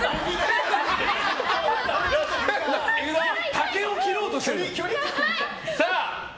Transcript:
竹を切ろうとしてるの？